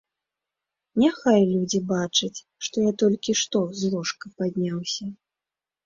Няхай людзі бачаць, што я толькі што з ложка падняўся.